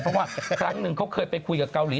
เพราะว่าครั้งหนึ่งเขาเคยไปคุยกับเกาหลี